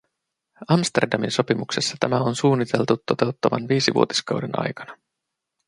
Amsterdamin sopimuksessa tämä on suunniteltu toteuttavan viisivuotiskauden aikana.